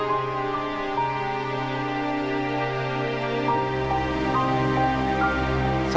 pemiliknya masih mencoba untuk mencoba